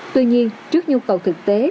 tuy nhiên trước nhu cầu thực tế